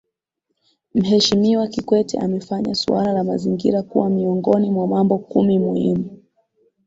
Mheshimiwa Kikwete amefanya suala la mazingira kuwa miongoni mwa mambo kumi muhimu